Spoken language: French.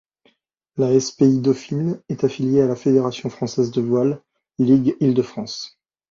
La Spi Dauphine est affiliée à la Fédération française de voile, ligue Île-de-France.